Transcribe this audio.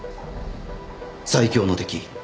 最強の敵。